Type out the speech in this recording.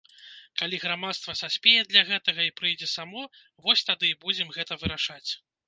Калі грамадства саспее для гэтага і прыйдзе само, вось тады і будзем гэта вырашаць.